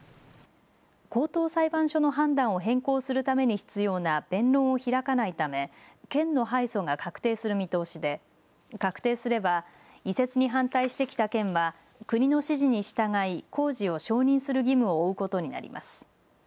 高等裁判所の判断を変更するために必要な弁論を開かないため県の敗訴が確定する見通しで確定すれば移設に反対してきた県は国の指示に従い工事を承認する義務を負うことになります。